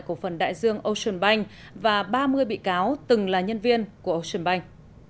của phần đại dương ocean bank và ba mươi bị cáo từng là nhân viên của ocean bank